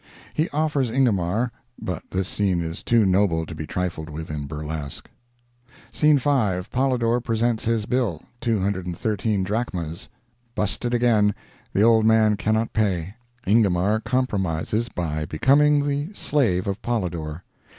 He offers Ingomar—but this scene is too noble to be trifled with in burlesque. Scene 5.—Polydor presents his bill—213 drachmas. Busted again—the old man cannot pay. Ingomar compromises by becoming the slave of Polydor.